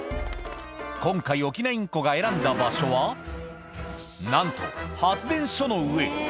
今回、オキナインコが選んだ場所は、なんと発電所の上。